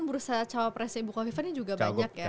bursa cowok presnya bukaviva ini juga banyak ya